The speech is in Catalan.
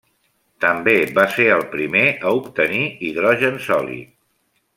També va ser el primer a obtenir hidrogen sòlid.